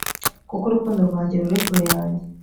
kuko urukundo rwanjye ruri kure yanjye